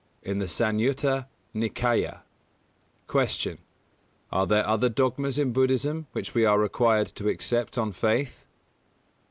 In the Sanyutta Nikāya. 194. Q. _Are there any dogmas in Buddhism which we are required to accept on faith?